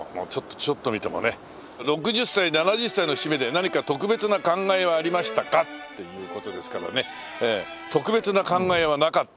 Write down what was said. ちょっと見てもね「６０歳、７０歳の節目で何か特別な感慨はありましたか？」っていう事ですけどね「特別な感慨はなかった」